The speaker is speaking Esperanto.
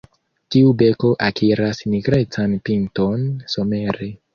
Tiu beko akiras nigrecan pinton somere.